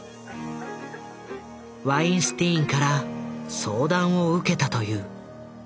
ワインスティーンから相談を受けたという。